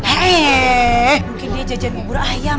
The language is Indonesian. eh mungkin dia jajan bubur ayam